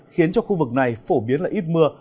khiến cho khu vực này phổ biến là ít mưa